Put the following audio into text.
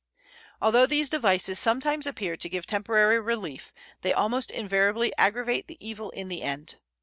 Although these devices sometimes appear to give temporary relief, they almost invariably aggravate the evil in the end.